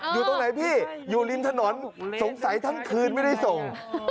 อยู่ตรงไหนพี่อยู่ริมถนนสงสัยทั้งคืนไม่ได้ส่ง